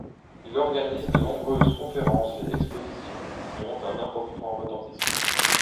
Il organise de nombreuses conférences et expositions qui ont un important retentissement.